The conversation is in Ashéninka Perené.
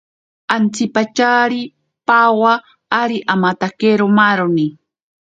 Antsipatyari pawa ari amatakero maaroni.